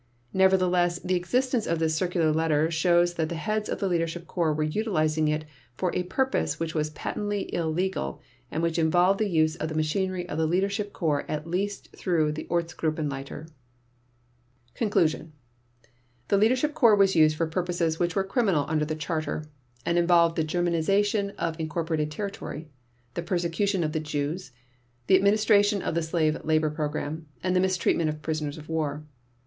Nevertheless, the existence of this circular letter shows that the heads of the Leadership Corps were utilizing it for a purpose which was patently illegal and which involved the use of the machinery of the Leadership Corps at least through the Ortsgruppenleiter. Conclusion The Leadership Corps was used for purposes which were criminal under the Charter and involved the Germanization of incorporated territory, the persecution of the Jews, the administration of the slave labor program, and the mistreatment of prisoners of war.